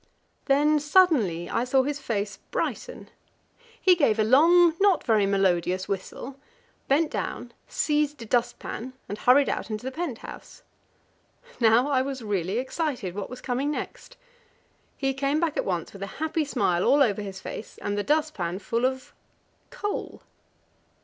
Then suddenly I saw his face brighten; he gave a long, not very melodious whistle, bent down, seized a dust pan, and hurried out into the pent house. Now I was really excited. What was coming next? He came back at once with a happy smile all over his face, and the dust pan full of coal!